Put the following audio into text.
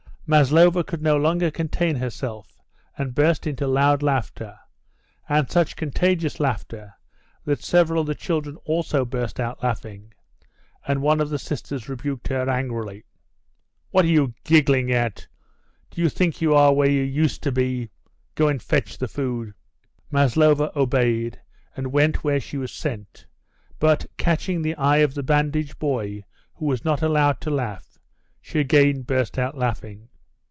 Maslova could no longer contain herself and burst into loud laughter, and such contagious laughter that several of the children also burst out laughing, and one of the sisters rebuked her angrily. "What are you giggling at? Do you think you are where you used to be? Go and fetch the food." Maslova obeyed and went where she was sent; but, catching the eye of the bandaged boy who was not allowed to laugh, she again burst out laughing.